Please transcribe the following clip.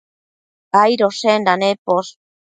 Aidoshenda neposh